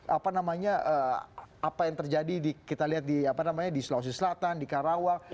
apa namanya apa yang terjadi kita lihat di sulawesi selatan di karawang